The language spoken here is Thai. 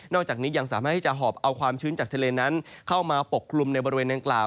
อกจากนี้ยังสามารถที่จะหอบเอาความชื้นจากทะเลนั้นเข้ามาปกคลุมในบริเวณดังกล่าว